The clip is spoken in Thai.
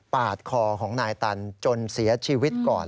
ปาดคอของนายตันจนเสียชีวิตก่อน